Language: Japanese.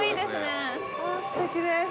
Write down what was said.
すてきです。